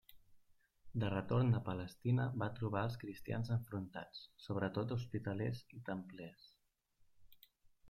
De retorn a Palestina va trobar els cristians enfrontats, sobretot hospitalers i templers.